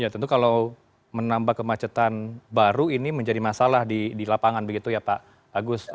ya tentu kalau menambah kemacetan baru ini menjadi masalah di lapangan begitu ya pak agus